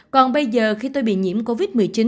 còn bây giờ khi tôi bị nhiễm covid một mươi chín